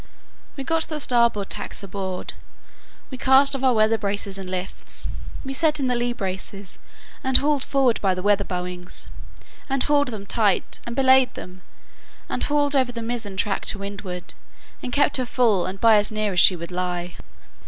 We got the starboard tacks aboard, we cast off our weather braces and lifts; we set in the lee braces, and hauled forward by the weather bowlings, and hauled them tight, and belayed them, and hauled over the mizen tack to windward, and kept her full and by as near as she would lie.